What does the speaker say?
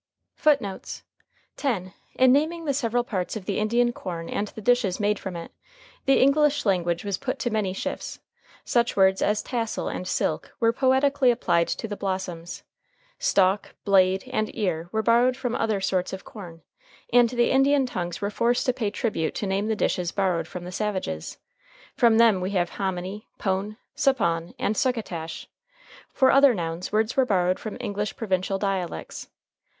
FOOTNOTES: [Footnote 10: In naming the several parts of the Indian corn and the dishes made from it, the English language was put to many shifts. Such words as tassel and silk were poetically applied to the blossoms; stalk, blade, and ear were borrowed from other sorts of corn, and the Indian tongues were forced to pay tribute to name the dishes borrowed from the savages. From them we have hominy, pone, supawn, and succotash. For other nouns words were borrowed from English provincial dialects.